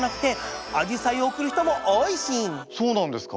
そうなんですか。